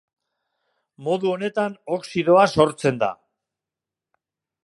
Modu honetan oxidoa sortzen da.